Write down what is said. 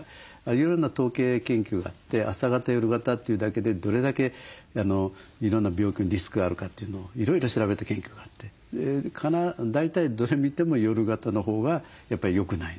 いろいろな統計研究があって朝型夜型というだけでどれだけいろんな病気のリスクがあるかというのをいろいろ調べた研究があって大体どれ見ても夜型のほうがやっぱりよくないんですね。